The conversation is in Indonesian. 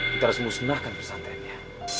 kita harus musnahkan pesantrennya